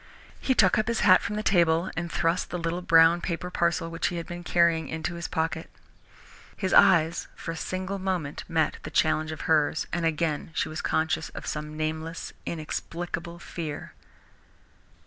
He took up his hat from the table, and thrust the little brown paper parcel which he had been carrying, into his pocket. His eyes for a single moment met the challenge of hers, and again she was conscious of some nameless, inexplicable fear.